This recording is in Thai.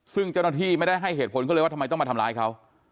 ซึ่งเจ้าหน้าที่ไม่ได้ให้เหตุผลเขาเลยว่าทำไมต้องมาทำร้ายเขา